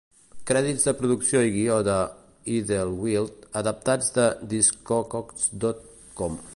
Crèdits de producció i guió de "Idlewild" adaptats de Discogs dot com.